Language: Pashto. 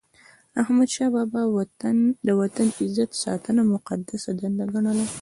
احمدشاه بابا د وطن د عزت ساتنه مقدسه دنده ګڼله.